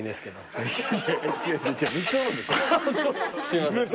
すいません。